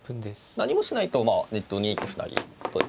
何もしないと２一歩成とですね